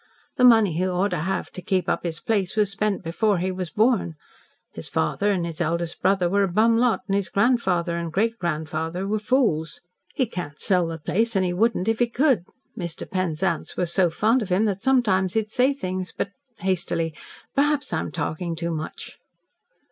The money he ought to have to keep up his place was spent before he was born. His father and his eldest brother were a bum lot, and his grandfather and great grandfather were fools. He can't sell the place, and he wouldn't if he could. Mr. Penzance was so fond of him that sometimes he'd say things. But," hastily, "perhaps I'm talking too much."